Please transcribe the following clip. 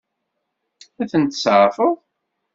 Ad ten-tseɛfeḍ?